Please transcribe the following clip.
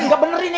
ini gak bener ini